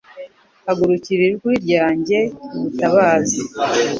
Hugukira ijwi ryanjye rigutabaza